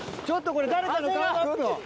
ちょっとこれ。